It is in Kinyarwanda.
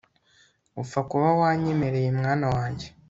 upfa kuba wanyemereye mwana wanjye